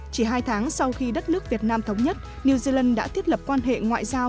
chỉ hai tháng sau khi đất nước việt nam thống nhất new zealand đã thiết lập quan hệ ngoại giao